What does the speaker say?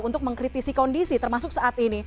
untuk mengkritisi kondisi termasuk saat ini